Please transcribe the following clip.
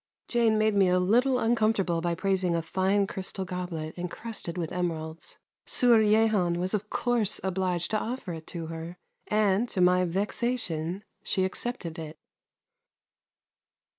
Jane made me a little uncomfortable by praising a fine crystal goblet encrusted with emeralds. Sieur Jehan was of course obliged to offer it her, and, to my vexation, she accepted it.